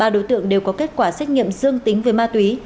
ba đối tượng đều có kết quả xét nghiệm dương tính với ma túy